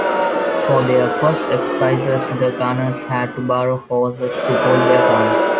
For their first exercises the gunners had to borrow horses to pull their guns.